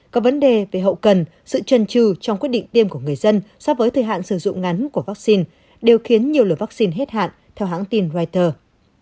có vấn đề về hậu cần sự trần trừ trong quyết định tiêm của người dân so với thời hạn sử dụng ngắn của vaccine đều khiến nhiều loại vaccine hết hạn theo hãng tin reuters